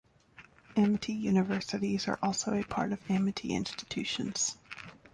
Amity Universities are also a part of Amity Institutions.